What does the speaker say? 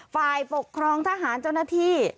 ฝ่ายปกครองทหารเจ้าหน้าที่